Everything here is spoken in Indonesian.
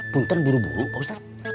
punten buru buru pak ustadz